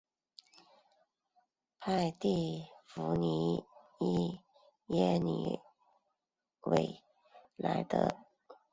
派蒂芙妮耶尔韦莱德苏丹清真寺是土耳其伊斯坦布尔的一座奥斯曼清真寺。